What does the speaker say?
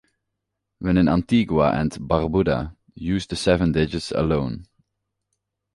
When in Antigua and Barbuda, use the seven digits alone.